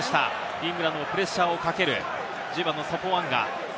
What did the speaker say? イングランド、プレッシャーをかける、１０番のソポアンガ。